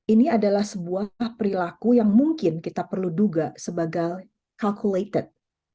ini adalah sebuah perilaku yang mungkin kita perlu duga sebagai calculated